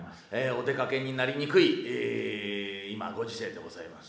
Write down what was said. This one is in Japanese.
お出かけになりにくい今ご時世でございます。